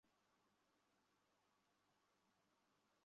গতকাল মধ্যরাত থেকেই এটি কার্যকর হবে বলে ফিলিস্তিনের একটি সূত্র নিশ্চিত করে।